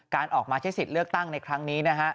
ออกมาใช้สิทธิ์เลือกตั้งในครั้งนี้นะฮะ